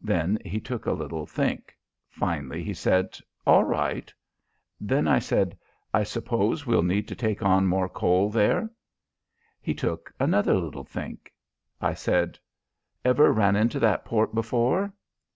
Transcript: Then he took a little think. Finally he said: 'All right.' Then I said: 'I suppose we'll need to take on more coal there?' He took another little think. I said: 'Ever ran into that port before?'